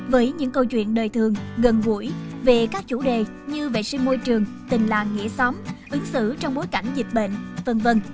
với những câu chuyện đời thường gần gũi về các chủ đề như vệ sinh môi trường tình làng nghĩa xóm ứng xử trong bối cảnh dịch bệnh v v